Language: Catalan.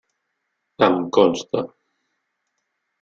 Em consta.